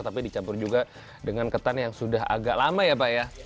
tapi dicampur juga dengan ketan yang sudah agak lama ya pak ya